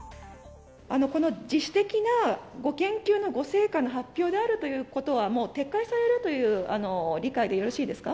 この自主的なご研究のご成果の発表であるということは、もう撤回されるという理解でよろしいですか？